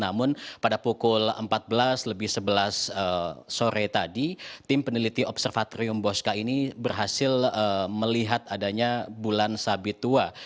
namun pada pukul empat belas lebih sebelas sore tadi tim peneliti observatorium bosca ini berhasil melihat adanya bulan sabit tua